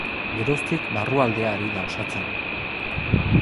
Geroztik barrualdea ari da osatzen.